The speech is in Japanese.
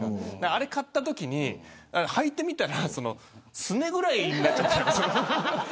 あれを買ったときにはいてみたらすねぐらいになっちゃって。